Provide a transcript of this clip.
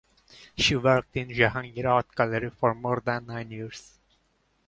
She worked in Jahangir Art Gallery for more than nine years.